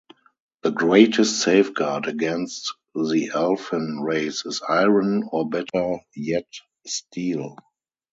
The greatest safeguard against the elfin race is iron, or, better yet, steel.